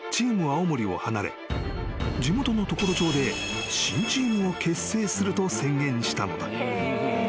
青森を離れ地元の常呂町で新チームを結成すると宣言したのだ］